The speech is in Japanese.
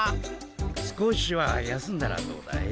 少しは休んだらどうだい？